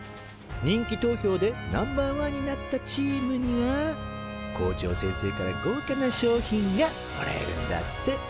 人気投票でナンバーワンになったチームには校長先生からごうかな賞品がもらえるんだって！